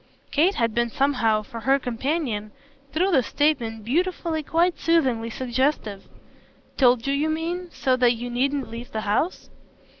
Kate had been somehow, for her companion, through this statement, beautifully, quite soothingly, suggestive. "Told you, you mean, so that you needn't leave the house?"